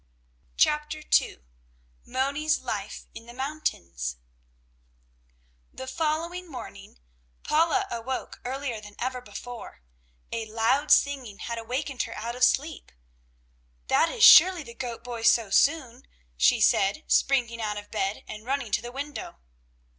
CHAPTER II MONI'S LIFE IN THE MOUNTAINS The following morning Paula awoke earlier than ever before; a loud singing had awakened her out of sleep. "That is surely the goat boy so soon," she said, springing out of bed and running to the window.